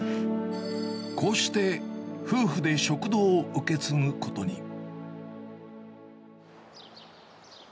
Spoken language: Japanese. こうして、夫婦で食堂を受け継ぐことに。